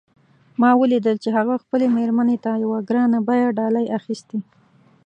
ما ولیدل چې هغه خپلې میرمن ته یوه ګران بیه ډالۍ اخیستې